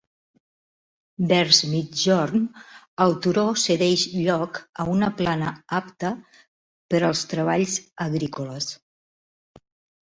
Vers migjorn, el turó cedeix lloc a una plana apta per als treballs agrícoles.